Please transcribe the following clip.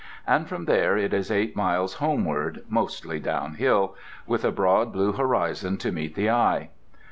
And from there it is eight miles homeward, mostly downhill, with a broad blue horizon to meet the eye.